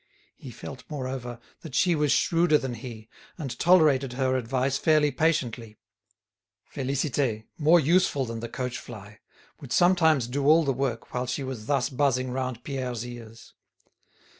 He felt, moreover, that she was shrewder than he, and tolerated her advice fairly patiently. Félicité, more useful than the coach fly, would sometimes do all the work while she was thus buzzing round Pierre's ears.